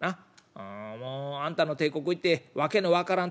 あもうあんたの帝国行って訳の分からん